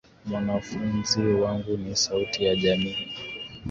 Mwanafunzi wangu ni sauti ya jamii.